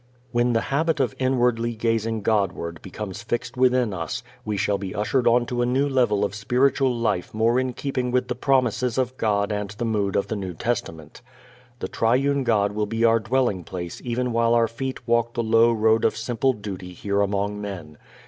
When the habit of inwardly gazing Godward becomes fixed within us we shall be ushered onto a new level of spiritual life more in keeping with the promises of God and the mood of the New Testament. The Triune God will be our dwelling place even while our feet walk the low road of simple duty here among men.